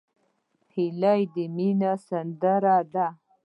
هیلۍ د مینې سندره ده